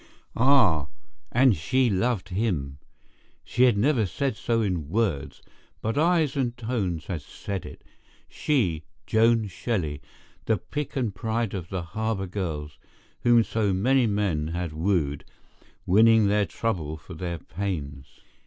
Ah, and she loved him. She had never said so in words, but eyes and tones had said it—she, Joan Shelley, the pick and pride of the Harbour girls, whom so many men had wooed, winning their trouble for their pains.